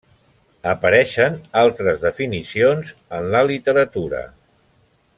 Apareixen altres definicions en la literatura.